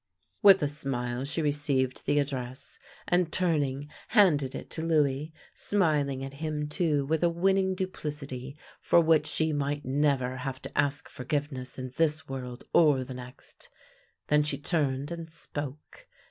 With a smile she received the address, and, turning, handed it to Louis, smiling at him too with a winning duplicity, for which she might never have to ask for giveness in this world or the next. Then she turned and spoke.